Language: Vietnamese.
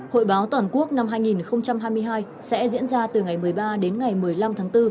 hội báo toàn quốc năm hai nghìn hai mươi hai sẽ diễn ra từ ngày một mươi ba đến ngày một mươi năm tháng bốn